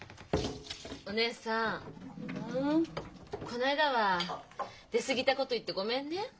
この間は出過ぎたこと言ってごめんね。